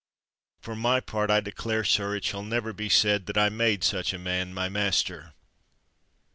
For my part, I declare, sir, it shall never be said that I made such a man my master!